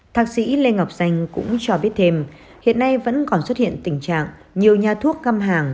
thạc sĩ lê ngọc danh cũng cho biết thêm hiện nay vẫn còn xuất hiện tình trạng nhiều nhà thuốc găm hàng